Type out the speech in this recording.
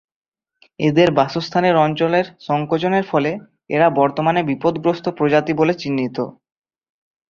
এদের বাসস্থানের অঞ্চলের সংকোচনের ফলে এরা বর্তমানে বিপদগ্রস্ত প্রজাতি বলে চিহ্নিত।